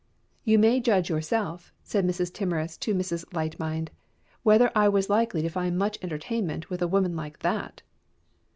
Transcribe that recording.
"You may judge yourself," said Mrs. Timorous to Mrs. Light mind, "whether I was likely to find much entertainment with a woman like that!"